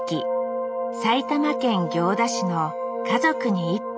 埼玉県行田市の「家族に一杯」